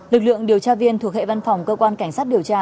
lực lượng điều tra viên thuộc hệ văn phòng cơ quan cảnh sát điều tra